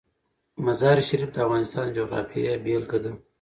مزارشریف د افغانستان د جغرافیې بېلګه ده.